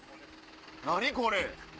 何これ！